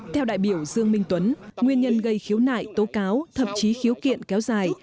theo đại biểu dương minh tuấn nguyên nhân gây khiếu nại tố cáo thậm chí khiếu kiện kéo dài